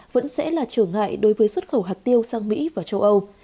vẫn sẽ là trở ngại đối với xuất khẩu hạt tiêu sang mỹ và châu âu